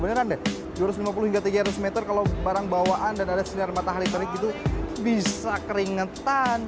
beneran deh dua ratus lima puluh hingga tiga ratus meter kalau barang bawaan dan ada sinar matahari terik itu bisa keringetan